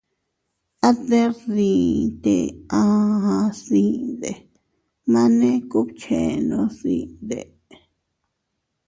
At deʼer dii te a aʼas dinde, mane kubchenos dinde.